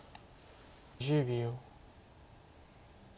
１０秒。